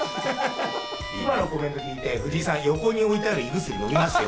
今のコメント聞いて、藤井さん、横に置いてある胃薬飲みますよ。